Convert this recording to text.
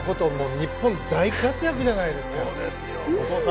日本、大活躍じゃないですか。